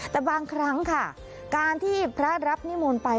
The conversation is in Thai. แต่บางครั้งค่ะการที่พระรับนิมนต์ไป